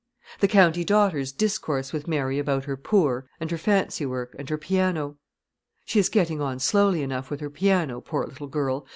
the county daughters discourse with Mary about her poor, and her fancy work, and her piano. She is getting on slowly enough with her piano, poor little girl!